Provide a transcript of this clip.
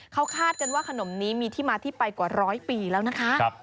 เขาคาดกันว่าขนมนี้มีที่มาที่ไปกว่าร้อยปีแล้วนะคะ